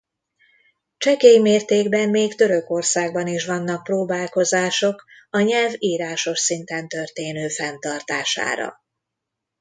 Csekély mértékben még Törökországban is vannak próbálkozások a nyelv írásos szinten történő fenntartására.